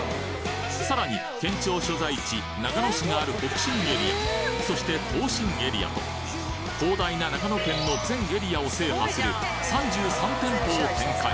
さらに県庁所在地長野市がある北信エリアそして東信エリアと広大な長野県の全エリアを制覇する３３店舗を展開